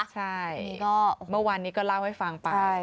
ใช่ก็เมื่อวานนี้ก็เล่าให้ฟังไป